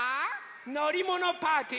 のりものパーティー。